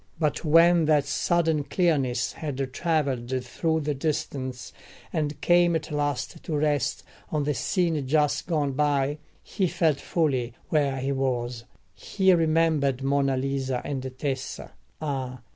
But when that sudden clearness had travelled through the distance, and came at last to rest on the scene just gone by, he felt fully where he was: he remembered Monna Lisa and Tessa. Ah!